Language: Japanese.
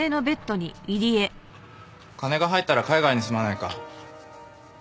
金が入ったら海外に住まないか？